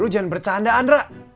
lo jangan bercandaan ra